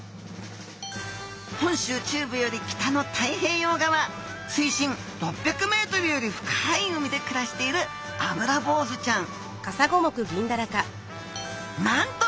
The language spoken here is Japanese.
本州中部より北の太平洋側水深６００ｍより深い海で暮らしているアブラボウズちゃん。